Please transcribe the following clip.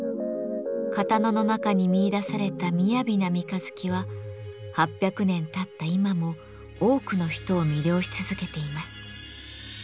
刀の中に見いだされた雅な三日月は８００年たった今も多くの人を魅了し続けています。